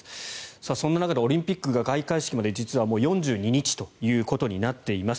そんな中でオリンピックが開会式まで実は４２日ということになっています。